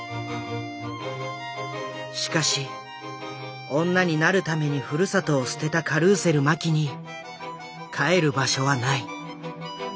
しかし女になるためにふるさとを捨てたカルーセル麻紀に帰る場所はない。